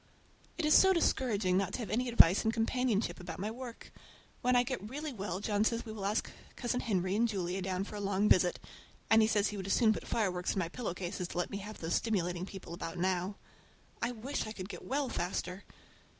It is so discouraging not to have any advice and companionship about my work. When I get really well John says we will ask Cousin Henry and Julia down for a long visit; but he says he would as soon put fire works in my pillow case as to let me have those stimulating people about now. I wish I could get well faster.